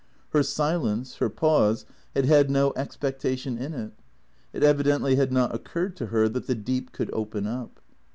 Her silence, her pause had had no expectation in it. It evidently had not occurred to her that the deep could open up.